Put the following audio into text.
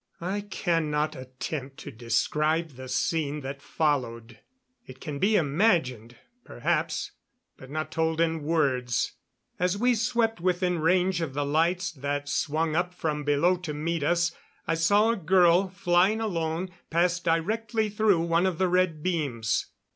I cannot attempt to describe the scene that followed. It can be imagined, perhaps, but not told in words. As we swept within range of the lights that swung up from below to meet us, I saw a girl, flying alone, pass directly through one of the red beams.